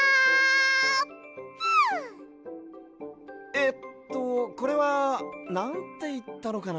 えっとこれはなんていったのかな？